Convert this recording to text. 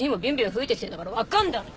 吹いてきてんだから分かんだろ。